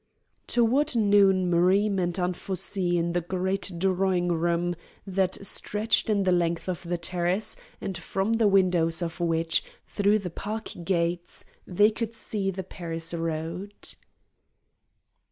Toward noon Marie met Anfossi in the great drawing room that stretched the length of the terrace and from the windows of which, through the park gates, they could see the Paris road.